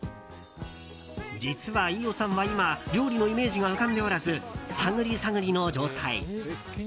実は飯尾さんは今料理のイメージが浮かんでおらず探り探りの状態。